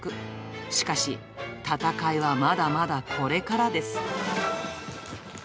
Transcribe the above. しかし、戦いはまだまだこれからです。